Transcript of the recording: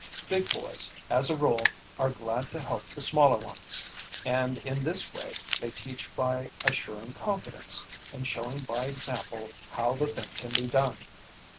Big boys, as a rule, are glad to help the smaller ones, and in this way they teach by assuring confidence and showing by example how the thing can be done.